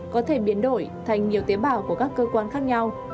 có thể biến đổi thành nhiều tế bào của các cơ quan khác nhau